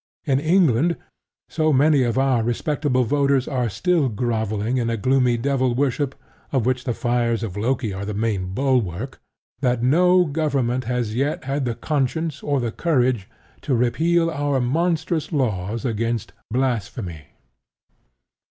In England, so many of our respectable voters are still grovelling in a gloomy devil worship, of which the fires of Loki are the main bulwark, that no Government has yet had the conscience or the courage to repeal our monstrous laws against "blasphemy."